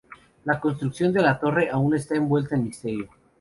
La construcción de la torre aún está envuelta en misterio.